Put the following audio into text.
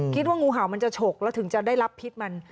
งูเห่ามันจะฉกแล้วถึงจะได้รับพิษมัน